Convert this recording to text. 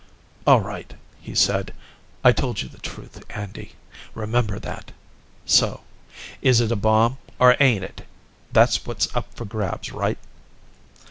"All right," he said. "I told you the truth, Andy. Remember that. So is it a bomb or ain't it? That's what's up for grabs, right?"